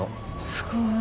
すごい。